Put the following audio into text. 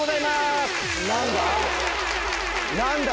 何だ？